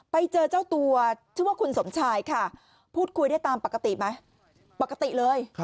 ไปเจอเจ้าตัวชื่อว่าคุณสมชายค่ะพูดคุยได้ตามปกติไหมปกติเลย